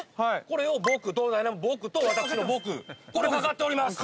これを北東西南「北」と私の「僕」これがかかっております。